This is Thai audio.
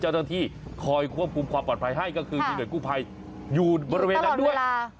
เจ้าหน้าที่คอยควบคุมความปลอดภัยให้ก็คือมีหน่วยกู้ภัยอยู่บริเวณนั้นด้วย